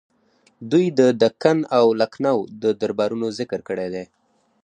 دوی د دکن او لکنهو د دربارونو ذکر کړی دی.